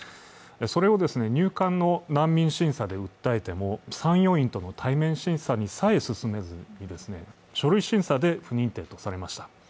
それを入管の難民審査で訴えても参与員の対面審査にさえも進めずに、書類審査で不認定とされました。